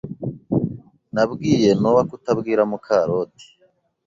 Nabwiye Nowa kutabwira Mukaroti.